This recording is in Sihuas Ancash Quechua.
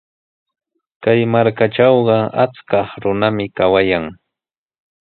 Kay markatrawqa achkaq runami kawayan.